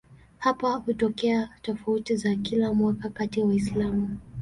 Hapa hutokea tofauti za kila mwaka kati ya Waislamu.